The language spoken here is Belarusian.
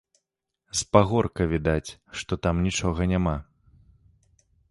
З пагорка відаць, што там нічога няма.